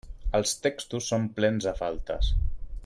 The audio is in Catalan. Els textos són plens de faltes.